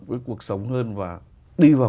với cuộc sống hơn và đi vào